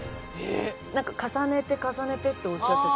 なんか重ねて重ねてっておっしゃってたけど。